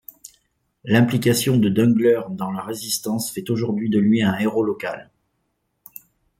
L’implication de Dungler dans la Résistance fait aujourd’hui de lui un héros local.